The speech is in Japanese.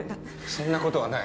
そんなことはない